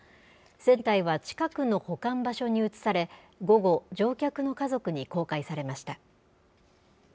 船体は近くの保管場所に移され、午後、乗客の家族に公開されました。